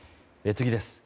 次です。